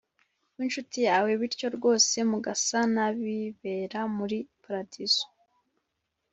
w’inshuti yawe bityo rwose mugasa n’abibera muri paradizo